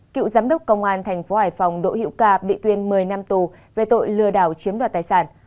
cựu giám đốc công an thành phố hải phòng đỗ hiệu ca bị tuyên một mươi năm tù về tội lừa đảo chiếm đoạt tài sản